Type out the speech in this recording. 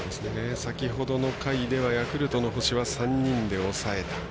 先ほどの回ではヤクルトの星は３人で抑えた。